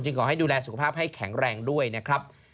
ขอให้ดูแลสุขภาพให้แข็งแรงด้วยนะครับ